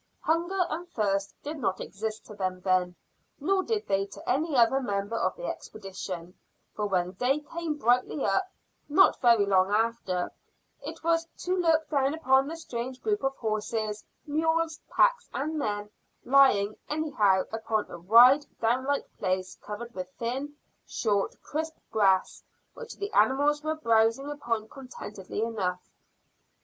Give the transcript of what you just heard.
Hunger and thirst did not exist to them then, nor did they to any other member of the expedition, for when day came brightly, not very long after, it was to look down upon the strange group of horses, mules, packs, and men, lying anyhow upon a wide down like place covered with thin, short, crisp grass, which the animals were browsing upon contentedly enough.